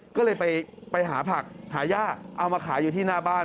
ก็เลยไปหาผักหาย่าเอามาขายอยู่ที่หน้าบ้าน